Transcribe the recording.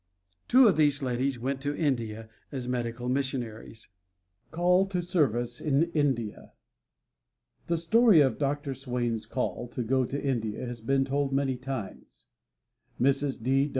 Two of these ladies went to India as medical missionaries. CALL TO SERVICE IN INDIA The story of Dr. Swain's call to go to India has been told many times. Mrs.